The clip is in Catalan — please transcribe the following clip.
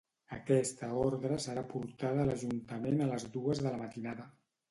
Aquesta ordre serà portada a l'Ajuntament a les dues de la matinada.